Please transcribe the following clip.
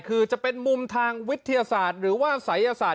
คือจะเป็นมุมทางวิทยาศาสตร์หรือว่าศัยศาสต